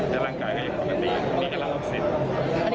อาการปกติ